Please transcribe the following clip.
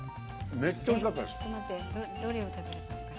めっちゃおいしかったです。